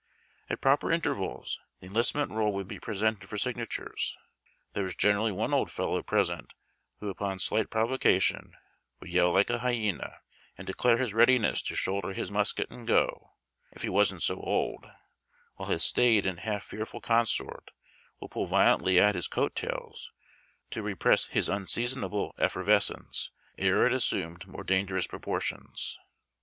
At proper intervals the enlistment roll would be presented for signatures. There was generally one old fellow present who upon slight provocation would yell like a hyena, and declare his readiness to shoulder his musket and go, if he wasn't so old, while his staid and half fearful consort would pull violently at his coat tails to re press his unseasonable effervescence ere it assumed more dangerous proportions.